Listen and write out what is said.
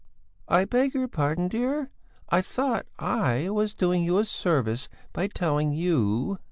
"I beg your pardon, dear, I thought I was doing you a service by telling you."